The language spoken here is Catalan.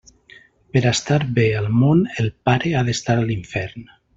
Per a estar bé al món, el pare ha d'estar a l'infern.